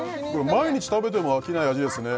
「毎日食べても飽きない味ですね」